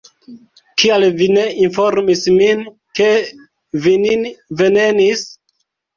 Kial vi ne informis min, ke vi nin venenis?